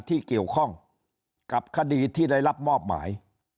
ที่เกี่ยวข้องกับคดีที่ได้รับมอบหมาย